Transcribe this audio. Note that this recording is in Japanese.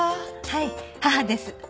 はい母です。